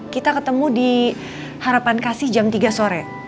kita ketemu di harapan kasih jam tiga sore